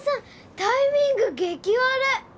タイミング激悪！